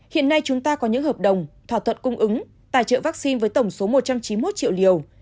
hiện nay chúng ta có những hợp đồng thỏa thuận cung ứng tài trợ vaccine với tổng số một trăm chín mươi một triệu liều